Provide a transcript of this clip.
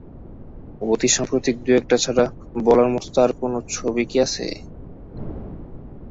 অতিসাম্প্রতিক দু একটা ছাড়া বলার মতো তো আর কোনো ছবি কি আছে?